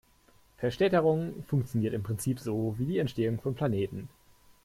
Verstädterung funktioniert im Prinzip so wie die Entstehung von Planeten.